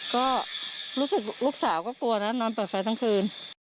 ก็รู้สึกลูกสาวก็กลัวนอนแปอกไฟทั้งคืน